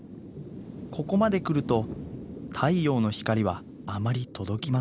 ここまで来ると太陽の光はあまり届きません。